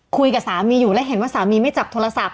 คุยกับสามีอยู่แล้วเห็นว่าสามีไม่จับโทรศัพท์